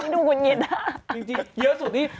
ดูคุณยินจริงเยอะสุดที่